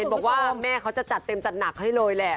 บอกว่าแม่เขาจะจัดเต็มจัดหนักให้เลยแหละ